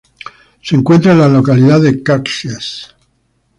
Se encuentra en la localidad de Caxias.